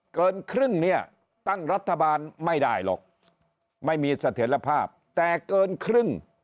เกินครึ่งเนี่ยตั้งรัฐบาลไม่ได้หรอกไม่มีเสถียรภาพแต่เกินครึ่ง